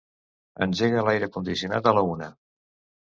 Engega l'aire condicionat a la una.